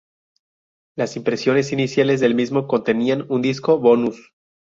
Las impresiones iniciales del mismo contenían un disco bonus.